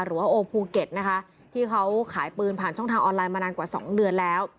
โอภูเก็ตนะคะที่เขาขายปืนผ่านช่องทางออนไลน์มานานกว่าสองเดือนแล้ว